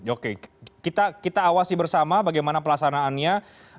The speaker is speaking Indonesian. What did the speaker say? oke kita awasi bersama bagaimana pelaksanaannya